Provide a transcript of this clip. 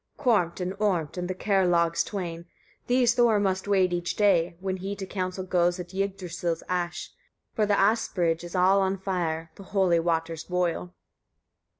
29. Körmt and Ormt, and the Kerlaugs twain: these Thor must wade each day, when he to council goes at Yggdrasil's ash; for the As bridge is all on fire, the holy waters boil.